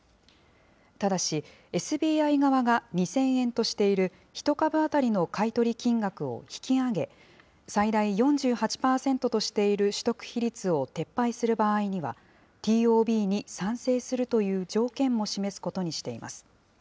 ただし、ＳＢＩ側が２０００円としている１株当たりの買い取り金額を引き上げ、最大４８％としている取得比率を撤廃する場合には、ＴＯＢに賛成するという条件も示すことにしています。